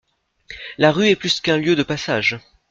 La rue est plus qu’un lieu de passage.